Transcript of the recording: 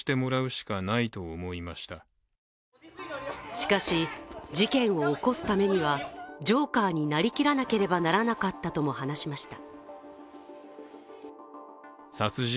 しかし、事件を起こすためにはジョーカーになりきらなければならなかったとも話しました。